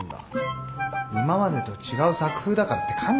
今までと違う作風だからって考え込むな。